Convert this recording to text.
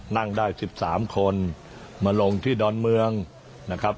นั่งได้๑๓คนมาลงที่ดอนเมืองนะครับ